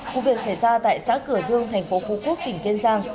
cụ việc xảy ra tại xã cửa dương thành phố phú quốc tỉnh kiên giang